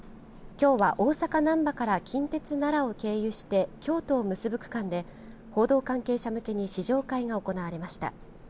きょうは大阪難波から近鉄奈良を経由して京都を結ぶ区間で報道関係者向けに試乗会が行われました。